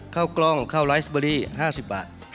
ข้าวกล้องข้าวไลฟ์สเบอรี่๕๐บาท